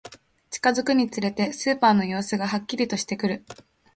近づくにつれて、スーパーの様子がはっきりとしてくる